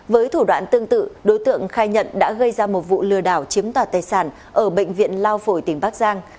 với thủ đoạn tương tự đối tượng khai nhận đã gây ra một vụ lừa đảo chiếm đoạt tài sản ở bệnh viện lao phổi tỉnh bắc giang